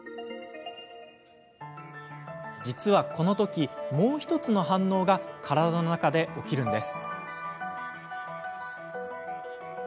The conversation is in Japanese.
実はこのとき、もう１つの反応が体の中で起きるんです。